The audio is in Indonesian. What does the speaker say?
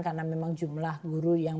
karena memang jumlah guru yang